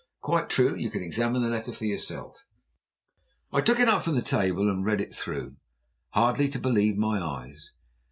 "Quite true. You can examine the letter for yourself." I took it up from the table and read it through, hardly able to believe my eyes.